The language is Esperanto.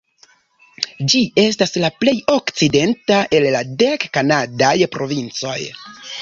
Ĝi estas la plej okcidenta el la dek kanadaj provincoj.